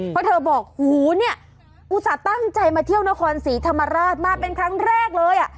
เพราะเธอบอกหูเนี่ยอุตส่าห์ตั้งใจมาเที่ยวนครศรีธรรมราชมาเป็นครั้งแรกเลยอ่ะ